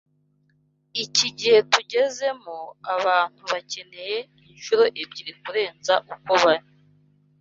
Iki gihe tugezemo, abantu bakeneye inshuro ebyiri kurenza uko bari